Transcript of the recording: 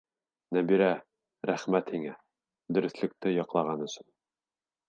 Нәбирә, рәхмәт һиңә, дөрөҫлөктө яҡлаған өсөн!